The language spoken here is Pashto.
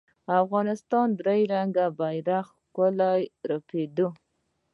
د افغانستان درې رنګه بېرغ ښکلی او رپاند دی